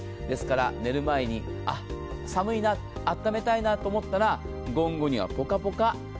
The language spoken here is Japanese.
ですから寝る前に、あっ、寒いなあっためたいなと思ったら、５分後にはぽかぽか。